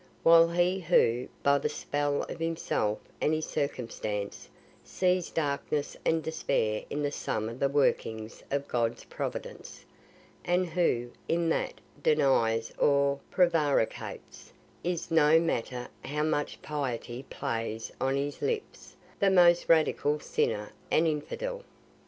While he who, by the spell of himself and his circumstance, sees darkness and despair in the sum of the workings of God's providence, and who, in that, denies or prevaricates, is, no matter how much piety plays on his lips, the most radical sinner and infidel.